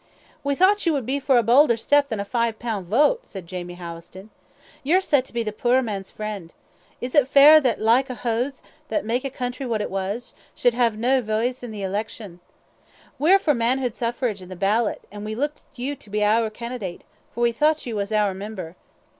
"We thocht ye would be for a baulder step than a five pound vote," said Jamie Howison; "ye're said to be the puir man's friend. Is it fair that the like o' huz, that mak the country what it is, should hae nae voice in the elections? We're for manhood suffrage, an' the ballot, and we look to you to be oor advocate, for we thocht ye was to be oor member.